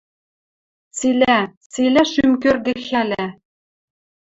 Цилӓ, цилӓ шӱм кӧргӹ хӓлӓ